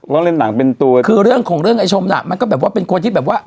แล้วเล่นหนังเป็นตัวคือเรื่องของเรื่องไอ้ชมน่ะมันก็แบบว่าเป็นคนที่แบบว่า